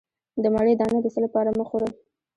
د مڼې دانه د څه لپاره مه خورم؟